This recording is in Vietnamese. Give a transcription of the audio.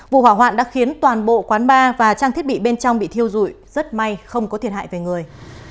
vụ hỏa hoạn đã khiến toàn bộ quán bar và trang thiết bị bên trong bị thiêu dụi rất may không có thiệt hại về người